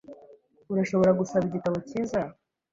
Urashobora gusaba igitabo cyiza?